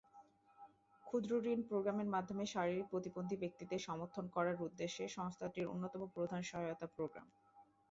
ক্ষুদ্রঋণ প্রোগ্রামের মাধ্যমে শারীরিক প্রতিবন্ধী ব্যক্তিদের সমর্থন করার উদ্দেশ্যে সংস্থাটির অন্যতম প্রধান সহায়তা প্রোগ্রাম।